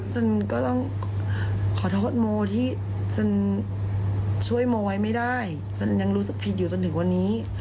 ฉันก็ต้องขอโทษโมที่ฉันช่วยโมไว้ไม่ได้ฉันยังรู้สึกผิดอยู่จนถึงวันนี้